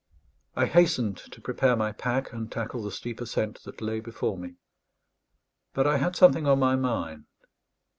I hastened to prepare my pack, and tackle the steep ascent that lay before me; but I had something on my mind.